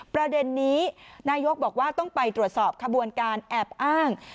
ประเด็นนี้นายกบอกว่าต้องไปตรวจสอบขบวนการแอบอ้าง